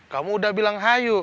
kamu udah bilang hayu